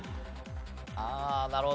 ああなるほど。